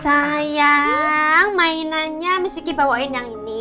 sayang mainannya miss kiki bawain yang ini